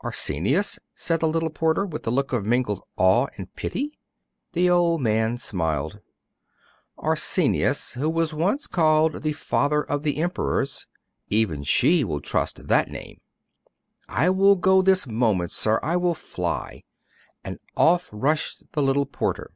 'Arsenius?' said the little porter, with a look of mingled awe and pity. The old man smiled. 'Arsenius, who was once called the Father of the Emperors. Even she will trust that name.' 'I will go this moment' sir; I will fly!' and off rushed the little porter.